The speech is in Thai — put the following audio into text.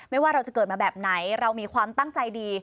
ว่าเราจะเกิดมาแบบไหนเรามีความตั้งใจดี